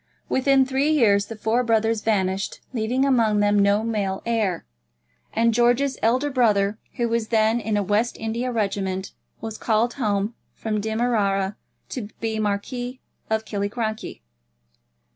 Within three years the four brothers vanished, leaving among them no male heir, and George's elder brother, who was then in a West India Regiment, was called home from Demerara to be Marquis of Killiecrankie.